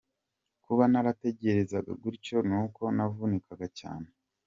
Kuba naratekerezaga gutyo nuko navunikaga cyane”.